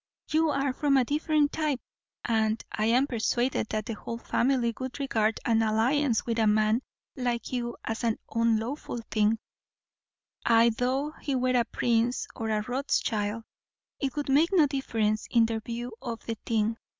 You are of a different type; and I am persuaded that the whole family would regard an alliance with a man like you as an unlawful thing; ay, though he were a prince or a Rothschild, it would make no difference in their view of the thing.